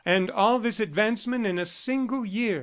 And all this advancement in a single year!